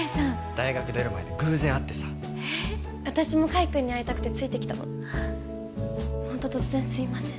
大学出る前に偶然会ってさええ私も海くんに会いたくてついてきたのホント突然すいません